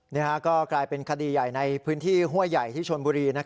นี่ก็กลายเป็นคดีใหญ่ในพื้นที่ห้วยใหญ่ที่ชนบุรี